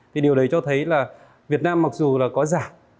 thì điều đấy cho thấy là việt nam mặc dù là có giảm